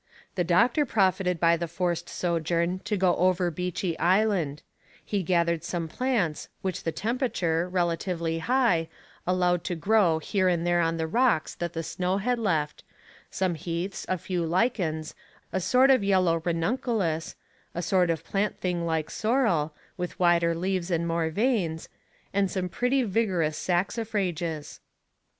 The doctor profited by the forced sojourn to go over Beechey Island; he gathered some plants, which the temperature, relatively high, allowed to grow here and there on the rocks that the snow had left, some heaths, a few lichens, a sort of yellow ranunculus, a sort of plant something like sorrel, with wider leaves and more veins, and some pretty vigorous saxifrages.